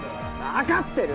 わかってる。